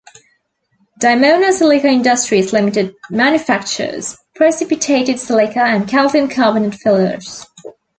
Dimona Silica Industries Limited manufactures precipitated silica and calcium carbonate fillers.